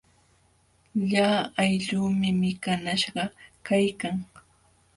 Lla aylluumi mikanaśhqa kaykan.